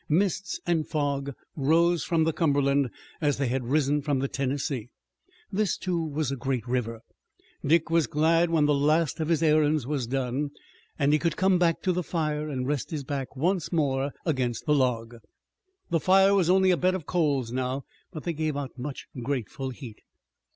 Mists and fogs rose from the Cumberland as they had risen from the Tennessee. This, too, was a great river. Dick was glad when the last of his errands was done, and he could come back to the fire, and rest his back once more against the log. The fire was only a bed of coals now, but they gave out much grateful heat.